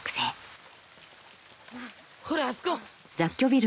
ほらあそこ！